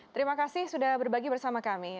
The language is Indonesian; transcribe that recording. terima kasih sudah berbagi bersama kami